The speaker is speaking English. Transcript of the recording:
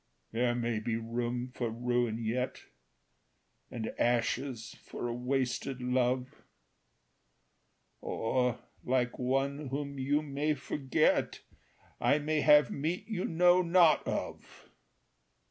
"There may be room for ruin yet, And ashes for a wasted love; Or, like One whom you may forget, I may have meat you know not of.